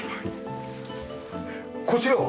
こちらは？